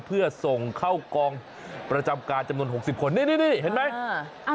เพื่อส่งเข้ากองประจำการจำนวน๖๐คนนี่เห็นไหม